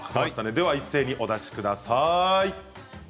では一斉にお出しください。